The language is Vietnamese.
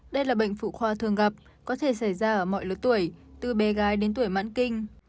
đây là bệnh phụ khoa thường gặp có thể xảy ra ở mọi lứa tuổi từ bé gái đến tuổi mãn kinh